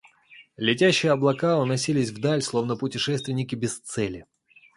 Летящие облака уносились вдаль, словно путешественники без цели.